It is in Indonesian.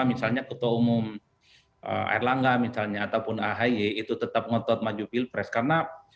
misalnya ketua umum air langga misalnya ataupun ahaye itu tetap ngotot maju pilpres karena